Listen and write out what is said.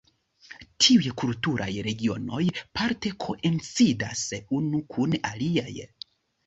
Tiuj kulturaj regionoj parte koincidas unu kun aliaj.